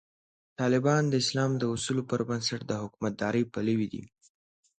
طالبان د اسلام د اصولو پر بنسټ د حکومتدارۍ پلوي دي.